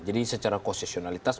jadi secara kosesionalitas